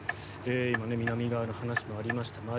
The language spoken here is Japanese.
今、南側の話もありました